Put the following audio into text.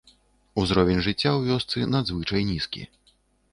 Узровень жыцця ў вёсцы надзвычай нізкі.